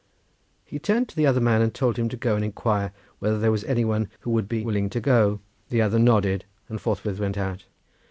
He turned to the other man and told him to go and inquire whether there was any one who would be willing to go. The other nodded, and forthwith went out.